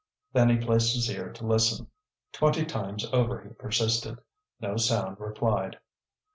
Then he placed his ear to listen. Twenty times over he persisted; no sound replied.